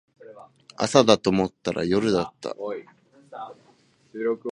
朝だと思ったら夜だった